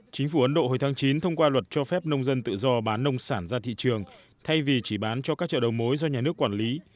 chính phủ ấn độ hồi tháng chín thông qua luật cho phép nông dân tự do bán nông sản ra thị trường thay vì chỉ bán cho các chợ đầu mối do nhà nước quản lý